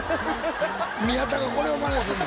宮田がこれをマネすんの？